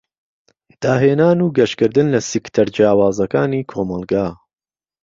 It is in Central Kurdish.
داهێنان و گەشکردن لە سیکتەر جیاوازەکانی کۆمەلگا.